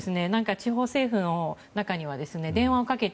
地方政府の中には電話をかけて。